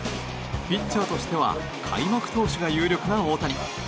ピッチャーとしては開幕投手が有力な大谷。